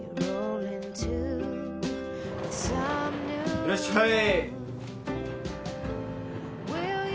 ・いらっしゃい！